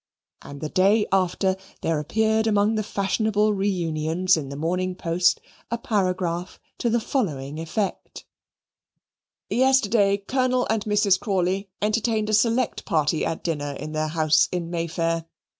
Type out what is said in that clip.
And the day after, there appeared among the fashionable reunions in the Morning Post a paragraph to the following effect: "Yesterday, Colonel and Mrs. Crawley entertained a select party at dinner at their house in May Fair.